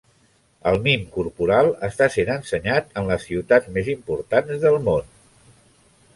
El mim corporal està sent ensenyat en les ciutats més importants de món.